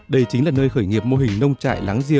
đây chính là nơi khởi nghiệp mô hình nông trại